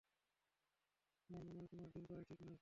আমার মনে হয়, তোমার ড্রিংক করাই ঠিক নয় শুভ রাত্রি।